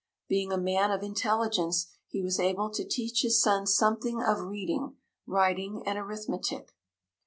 Being a man of intelligence, he was able to teach his son something of reading, writing and arithmetic.